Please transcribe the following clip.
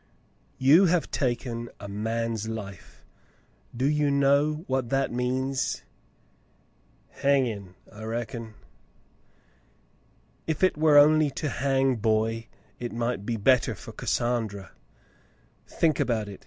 "You have taken a man's life; do you know what that means ^" "Hangin', I reckon." " If it were only to hang, boy, it might be better for Cas sandra. Think about it.